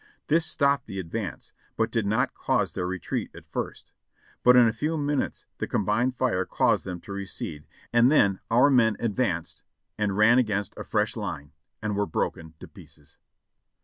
This stopped the advance, but did not cause their retreat at first, but in a few minutes the combined fire THE BATTLE CONTINUED 545 caused them to recede, and then our men advanced and ran against a fresh Hne and were broken to pieces.